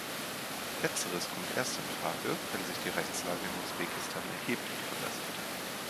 Letzteres kommt erst in Frage, wenn sich die Rechtslage in Usbekistan erheblich verbessert.